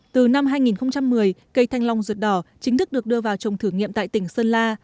từ năm hai nghìn một mươi cây thanh long ruột đỏ chính thức được đưa vào trồng thử nghiệm tại tỉnh sơn la